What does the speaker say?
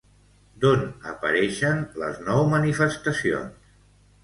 D'on apareixen les nou manifestacions?